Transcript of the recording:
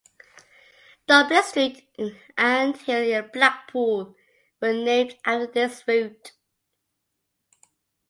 Dublin Street and Hill in Blackpool were named after this route.